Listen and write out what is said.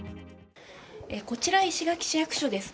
こちら石垣市役所です。